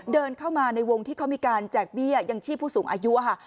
เดินเข้ามาในวงที่เขามีการแจกเบี้ยยังชีพผู้สูงอายุค่ะ